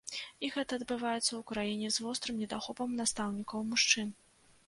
І гэта адбываецца ў краіне з вострым недахопам настаўнікаў-мужчын.